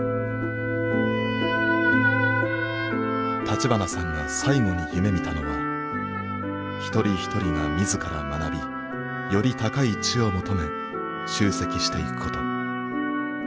立花さんが最後に夢みたのは一人一人が自ら学びより高い知を求め集積していくこと。